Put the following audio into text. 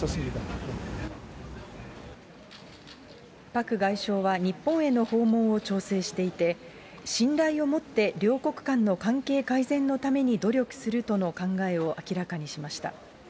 パク外相は日本への訪問を調整していて、信頼をもって両国間の関係改善のために努力するとの考えを明らかにしました。